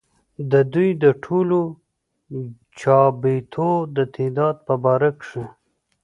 ددوي د ټولو چابېتو د تعداد پۀ باره کښې